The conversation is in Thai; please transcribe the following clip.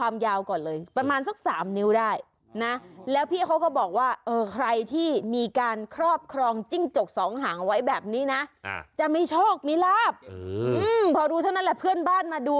มาขอดูบ้างมาสองดูบ้าง